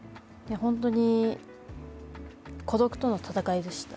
本当に孤独との闘いでした。